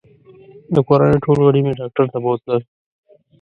د کورنۍ ټول غړي مې ډاکټر ته بوتلل